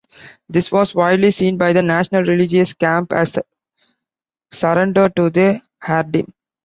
This was widely seen by the National Religious camp as surrender to the Haredim.